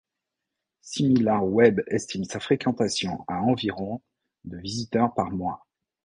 Similarweb estime sa fréquentation à environ de visiteurs par mois.